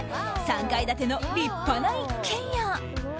３階建ての立派な一軒家。